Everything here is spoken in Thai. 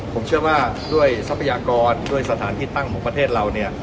ผมเชื่อว่าด้วยทรัพยากรด้วยสถานที่ตั้งของประเทศเราเนี่ย